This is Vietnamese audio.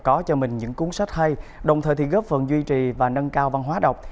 có cho mình những cuốn sách hay đồng thời thì góp phần duy trì và nâng cao văn hóa đọc